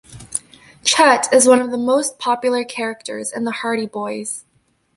Chet is one of the most popular characters in The Hardy Boys.